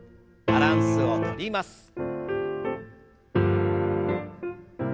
バランスをとります。